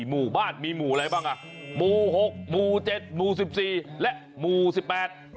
มูล๖มูล๗มูล๑๔และมูล๑๘